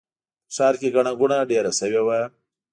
په ښار کې ګڼه ګوڼه ډېره شوې وه.